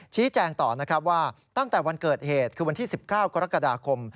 ชี้แจงต่อนะครับว่าตั้งแต่วันเกิดเหตุคือวันที่๑๙กรกฎาคม